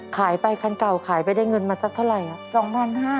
ขายไปคันเก่าขายไปได้เงินมาสักเท่าไหร่ครับ